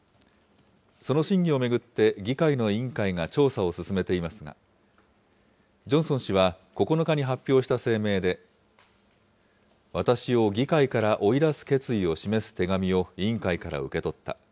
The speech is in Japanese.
その真偽を巡って、議会の委員会が調査を進めていますが、ジョンソン氏は９日に発表した声明で、私を議会から追い出す決意を示す手紙を委員会から受け取った。